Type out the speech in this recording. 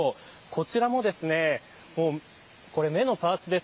こちらは目のパーツです。